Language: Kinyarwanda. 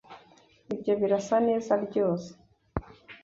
Ibyo birasa neza ryose